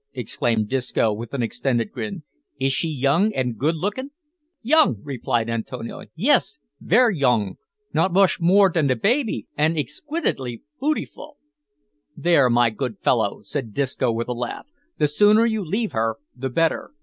exclaimed Disco, with an extended grin. "Is she young an' good lookin'?" "Yonge!" replied Antonio; "yis, ver' yonge; not mush more dan baby, an' exiquitely bootiful." "Then, my good feller," said Disco, with a laugh, "the sooner you leave her the better.